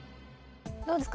どうですか？